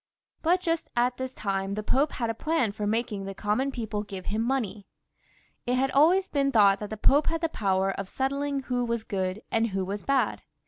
But just at this time the Pope had a plan for making the common people give him money. It had always been thought that the Pope had the power of settling who was good and who was bad.